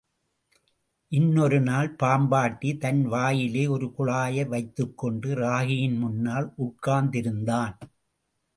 இன்னொரு நாள் பாம்பாட்டி தன் வாயிலே ஒரு குழாயை வைத்துக்கொண்டு ராகியின் முன்னால் உட்கார்ந் திருந்தான்.